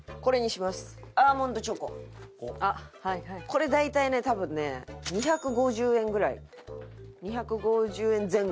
これ大体ね多分ね２５０円ぐらい２５０円前後。